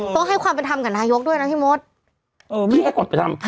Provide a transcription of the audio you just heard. ต้องให้ความเป็นทำกับนายกด้วยนะพี่โมสเออไม่ให้คนไปทำ